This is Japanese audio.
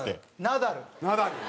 ナダル！